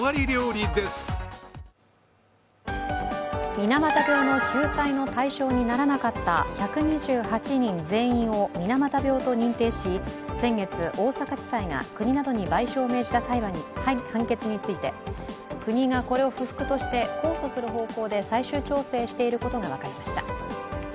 水俣病の救済の対象にならなかった１２８人全員を水俣病と認定し、先月、大阪地裁が国などに賠償を命じた判決について国がこれを不服として控訴する方向で最終調整していることが分かりました。